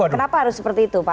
kenapa harus seperti itu pak